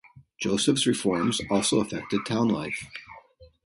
Joseph's reforms also affected town life.